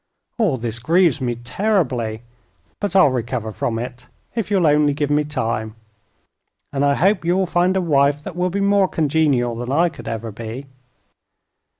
All this grieves me terribly; but I'll recover from it, if you'll only give me time. And I hope you'll find a wife that will be more congenial than I could ever be."